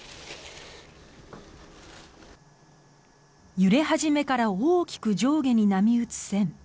揺れ始めから大きく上下に波打つ線。